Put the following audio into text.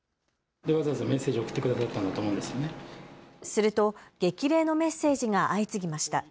すると激励のメッセージが相次ぎました。